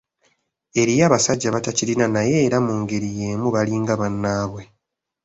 Eriyo abasajja abatakirina naye era mu ngeri yeemu balinga bannaabwe.